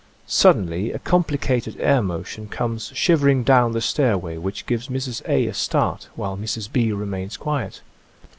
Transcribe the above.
Suddenly a complicated air motion comes shivering down the stairway which gives Mrs. A. a start, while Mrs. B, remains quiet.